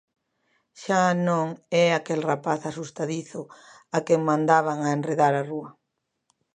Xa non é aquel rapaz asustadizo a quen mandaban a enredar á rúa.